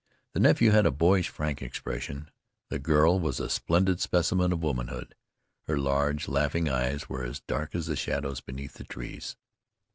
The nephew had a boyish, frank expression. The girl was a splendid specimen of womanhood. Her large, laughing eyes were as dark as the shadows beneath the trees.